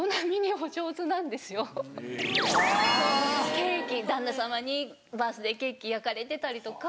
ケーキ旦那様にバースデーケーキ焼かれてたりとか。